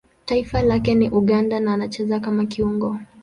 Taifa lake ni Uganda na anacheza kama kiungo.